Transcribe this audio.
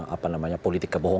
apa namanya politik kebangsaan